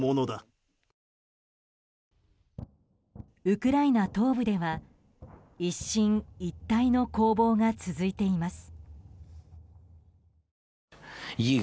ウクライナ東部では一進一退の攻防が続いています。